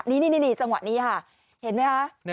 นี่จังหวะนี้ค่ะเห็นไหมคะ